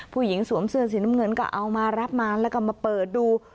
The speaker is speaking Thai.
สวมเสื้อสีน้ำเงินก็เอามารับมาแล้วก็มาเปิดดู